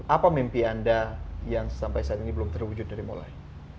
apa mimpi anda yang sampai saat ini belum terwujud dari mulai